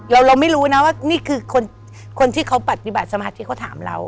เราไม่รู้นะว่านี่คือคนที่เขาปฏิบัติสมาธิเขาถามเรา